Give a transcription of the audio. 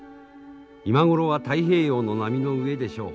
今頃は太平洋の波の上でしょう。